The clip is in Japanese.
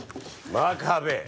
真壁！